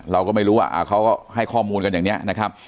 เราก็ไม่รู้ว่าเขาก็ให้ข้อมูลกันอย่างนี้นะครับ